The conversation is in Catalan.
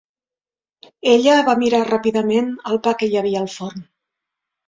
Ella va mirar ràpidament el pa que hi havia al forn.